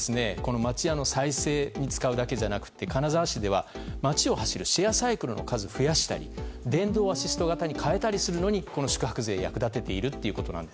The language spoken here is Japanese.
町家の再生に使うだけじゃなく金沢市では街を走るシェアサイクルの数を増やしたり電動アシスト型に変えたりするのにこの宿泊税を役立てていると。